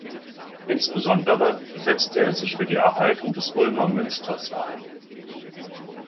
Insbesondere setzte er sich für die Erhaltung des Ulmer Münsters ein.